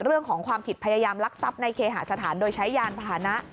เรื่องของความผิดพยายามลักทรัพย์ในเคหาสถานโดยใช้ยานพาหนะ